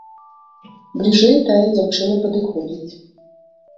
Бліжэй тая дзяўчына падыходзіць.